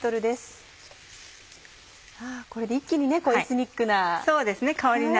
これで一気にエスニックな。